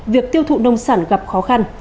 việc tiêu thụ nông sản gặp khó khăn